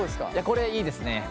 これいいですね。